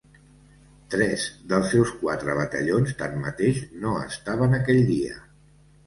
Tres dels seus quatre batallons, tan mateix, no estaven aquell dia.